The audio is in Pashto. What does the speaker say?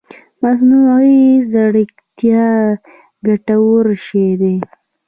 مصنوعي ځيرکتيا ګټور شی دی